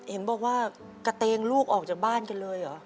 เห็นบอกว่ากระเตงลูกออกจากบ้านกันเลยเหรอ